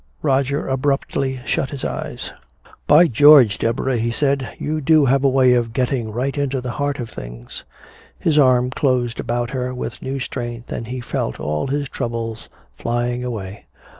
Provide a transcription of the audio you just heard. Roger abruptly shut his eyes. "By George, Deborah," he said, "you do have a way of getting right into the heart of things!" His arm closed about her with new strength and he felt all his troubles flying away.